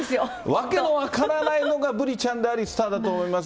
訳の分からないのがブリちゃんであり、スターだと思います。